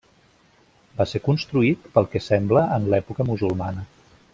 Va ser construït pel que sembla en l'època musulmana.